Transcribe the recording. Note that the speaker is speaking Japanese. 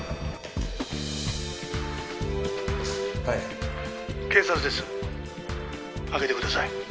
はい。